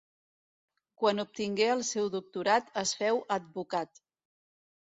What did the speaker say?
Quan obtingué el seu doctorat es féu advocat.